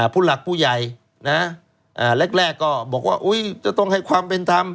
ผู้หลักผู้ใหญ่นะแรกก็บอกว่าจะต้องให้ความเป็นธรรม